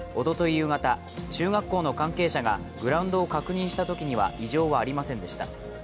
夕方中学校の関係者がグラウンドを確認したときには異常はありませんでした。